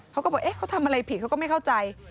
เขาก็บอกเอ๊ะเขาทำอะไรผิดเขาก็ไม่เข้าใจ